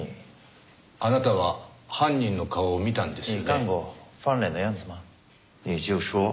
あなたは犯人の顔を見たんですよね？